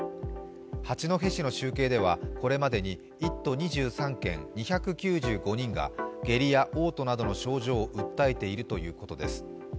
八戸市の集計ではこれまでに１都２３県２９５人が下痢やおう吐などの症状を訴えているということです。